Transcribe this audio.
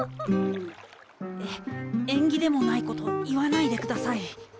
え縁起でもないこと言わないで下さい。